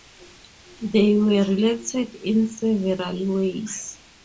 They were related in several ways.